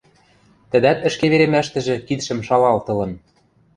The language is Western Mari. Тӹдӓт ӹшке веремӓштӹжӹ кидшӹм шалалтылын.